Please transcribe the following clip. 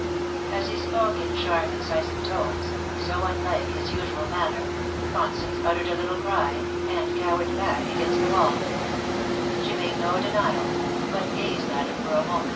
As he spoke in sharp incisive tones, so unlike his usual manner, Constance uttered a little cry, and cowered back against the wall She made no denial, but gazed at him for a moment